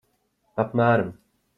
Apmēram.